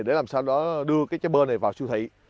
để làm sao đó đưa cái trái bơ này vào siêu thị